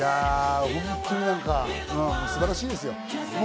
本当に素晴らしいですよ。